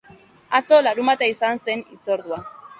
Atzo, larunbata, izan zen hitzordua.